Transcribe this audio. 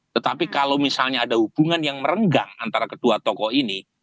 tetapi kalau misalnya ada hubungan yang merenggang antara kedua tokoh ini